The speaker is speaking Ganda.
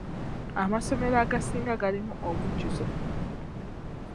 Amasomero agasinga galimu omujjuzo.